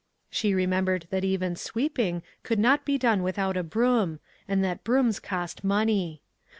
She remembered that even sweeping could not be done without a broom, and that brooms cost money.